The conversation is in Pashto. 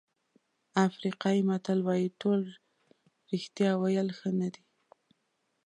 افریقایي متل وایي ټول رښتیا ویل ښه نه دي.